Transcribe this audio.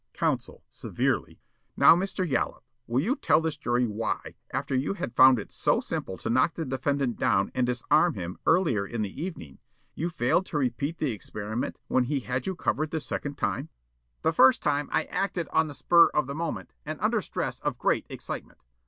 Counsel, severely: "Now, Mr. Yollop, will you tell this jury why, after you had found it so simple to knock the defendant down and disarm him earlier in the evening, you failed to repeat the experiment when he had you covered the second time?" Yollop: "The first time I acted on the spur of the moment, and under stress of great excitement.